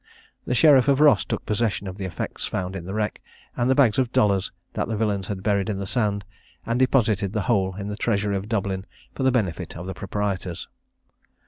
The sheriff of Ross took possession of the effects found in the wreck, and the bags of dollars that the villains had buried in the sand, and deposited the whole in the treasury of Dublin for the benefit of the proprietors.